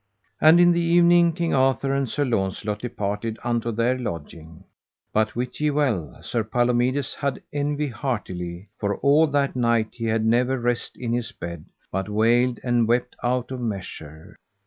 And in the evening King Arthur and Sir Launcelot departed unto their lodging; but wit ye well Sir Palomides had envy heartily, for all that night he had never rest in his bed, but wailed and wept out of measure.